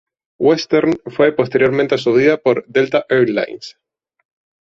Western fue posteriormente absorbida por Delta Air Lines.